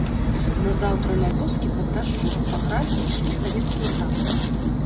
Назаўтра ля вёскі пад дажджом па гразі ішлі савецкія танкі.